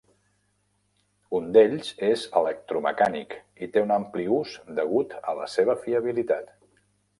Un d'ells és electromecànic i té un ampli ús degut a la seva fiabilitat.